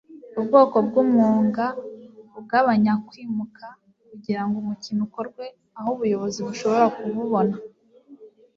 Ubwoko bwumwuga ugabanya kwimuka kugirango umukino ukorwe aho ubuyobozi bushobora kububona .